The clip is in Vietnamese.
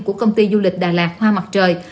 của công ty du lịch đà lạt hoa mặt trời